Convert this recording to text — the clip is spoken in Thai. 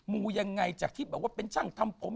มูยังไงจากที่แบบว่าเป็นช่างทำผม